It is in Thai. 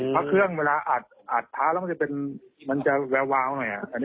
วักโครงเวลาอัดทามันจะจะแววหน่อย